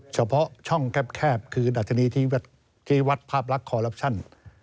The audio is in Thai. เฉพาะช่องแคบคือดัชนีชีวัตรภาพลักษณ์